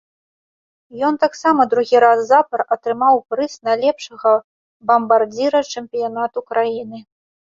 Ён таксама другі раз запар атрымаў прыз найлепшага бамбардзіра чэмпіянату краіны.